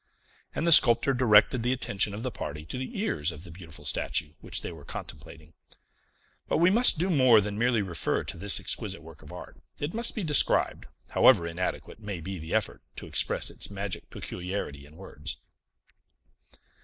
And the sculptor directed the attention of the party to the ears of the beautiful statue which they were contemplating. But we must do more than merely refer to this exquisite work of art; it must be described, however inadequate may be the effort to express its magic peculiarity in words.